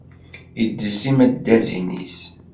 Iddez timaddazin-is.